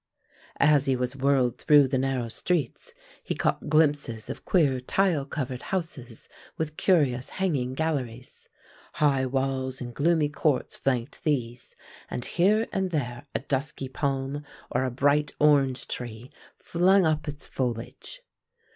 As he was whirled through the narrow streets he caught glimpses of queer tile covered houses with curious hanging galleries. High walls and gloomy courts flanked these, and here and there a dusky palm or a bright orange tree flung up its foliage.